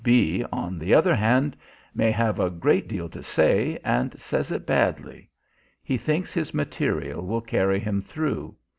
B, on the other hand, may have a great deal to say, and says it badly. He thinks his material will carry him through.